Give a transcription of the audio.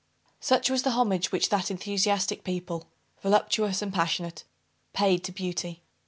Such was the homage which that enthusiastic people, voluptuous and passionate, paid to beauty.